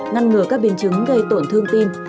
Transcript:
ngăn ngừa các biến chứng gây tổn thương tim